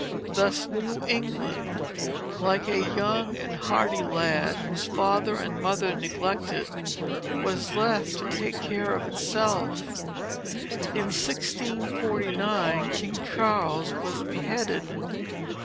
Thus New England, like a young and hardy lad, whose father and mother neglect it, was left to take care of itself. In 1649, King Charles was beheaded.